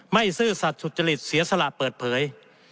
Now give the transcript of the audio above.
ซื่อสัตว์สุจริตเสียสละเปิดเผย